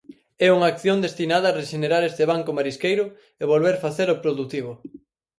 É unha acción destinada a rexenerar este banco marisqueiro e volver facelo produtivo.